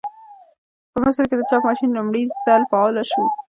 په مصر کې د چاپ ماشین لومړي ځل فعال شو.